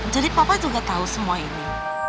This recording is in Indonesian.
jadi papa juga tau semua ini